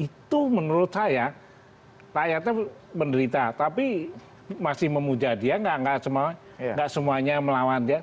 itu menurut saya rakyatnya menderita tapi masih memuja dia nggak semuanya melawan dia